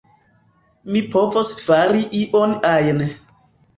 Mi povos fari ion ajn.